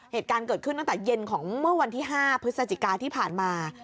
เหตุการณ์เกิดขึ้นตั้งแต่เย็นของเมื่อวันที่๕พฤศจิกาที่ผ่านมา